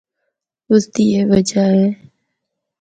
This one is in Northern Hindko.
اُس دی اے وجہ اے۔